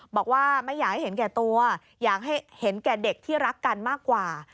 บอกว่าไม่อยากให้เห็นแก่ตัวอยากให้เห็นแก่เด็กที่รักกันมากกว่า